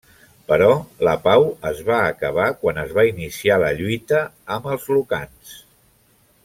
Però la pau es va acabar quan es va iniciar la lluita amb els lucans.